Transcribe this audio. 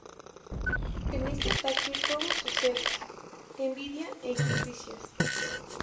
En este ataque todos sus celos, envidia e injusticias.